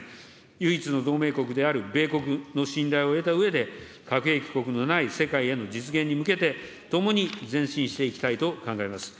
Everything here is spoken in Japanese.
唯一の同盟国である米国の信頼を得たうえで、核兵器国のない世界への実現に向けて、共に前進していきたいと考えます。